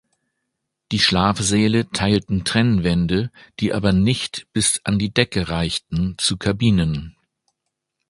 Die Schlafsäle teilten Trennwände, die aber nicht bis an die Decke reichten, zu Kabinen.